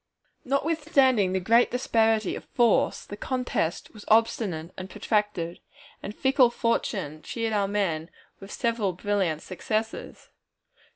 Notwithstanding the great disparity of force, the contest was obstinate and protracted, and fickle Fortune cheered our men with several brilliant successes.